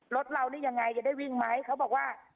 รถเรานี่ยังไงจะได้วิ่งไหมเขาบอกว่า